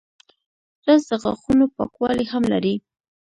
رس د غاښونو پاکوالی هم لري